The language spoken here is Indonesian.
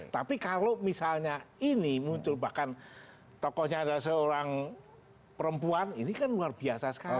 tapi kalau misalnya ini muncul bahkan tokohnya adalah seorang perempuan ini kan luar biasa sekali